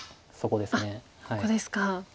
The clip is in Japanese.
ここですか。